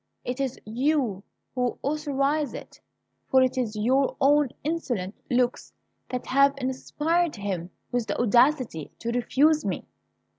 It is you who authorize it! For it is your own insolent looks that have inspired him with the audacity to refuse me!"